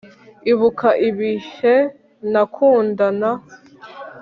Ibuka ibihe nakundana